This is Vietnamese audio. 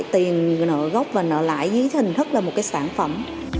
tiền nợ gốc và nợ lại dưới hình thức là một cái sản phẩm